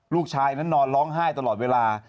ลูกชายนั้นนอนร้องไห้ตลอดเวลา